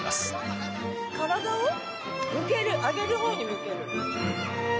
体を上げる方に向ける。